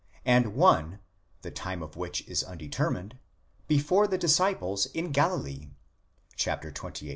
and one, the time of which is undetermined, before the disciples in Galilee (xxviii.